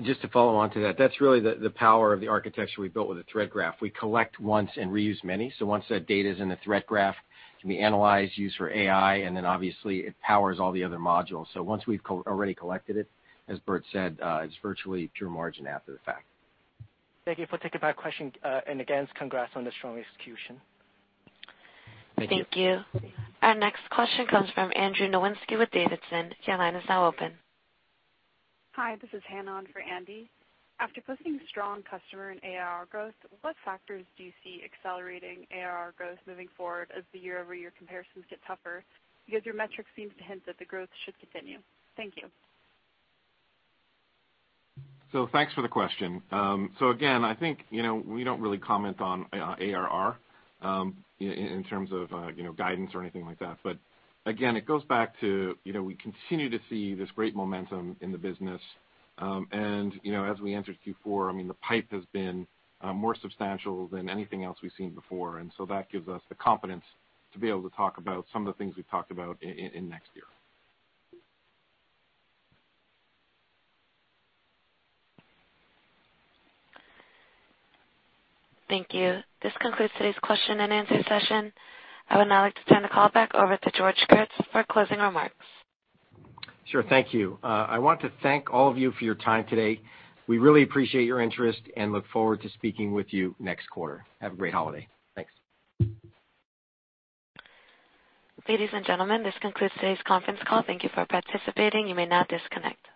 Just to follow on to that's really the power of the architecture we built with the Threat Graph. We collect once and reuse many. Once that data's in the Threat Graph, it can be analyzed, used for AI, and then obviously it powers all the other modules. Once we've already collected it, as Burt said, it's virtually pure margin after the fact. Thank you for taking my question, and again, congrats on the strong execution. Thank you. Thank you. Our next question comes from Andrew Nowinski with Davidson. Your line is now open. Hi, this is Hannah on for Andy. After posting strong customer and ARR growth, what factors do you see accelerating ARR growth moving forward as the year-over-year comparisons get tougher? Because your metrics seem to hint that the growth should continue. Thank you. Thanks for the question. Again, I think, we don't really comment on ARR, in terms of guidance or anything like that. Again, it goes back to, we continue to see this great momentum in the business. As we answered Q4, the pipe has been more substantial than anything else we've seen before. That gives us the confidence to be able to talk about some of the things we've talked about in next year. Thank you. This concludes today's question and answer session. I would now like to turn the call back over to George Kurtz for closing remarks. Sure. Thank you. I want to thank all of you for your time today. We really appreciate your interest and look forward to speaking with you next quarter. Have a great holiday. Thanks. Ladies and gentlemen, this concludes today's conference call. Thank you for participating. You may now disconnect.